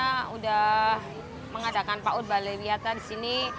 sudah mengadakan paut balewiata di sini